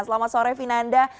selamat sore vinanda